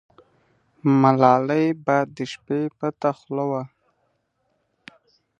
ملالۍ به د شپې پته ښووله.